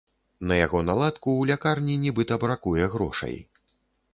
На яго наладку ў лякарні нібыта бракуе грошай.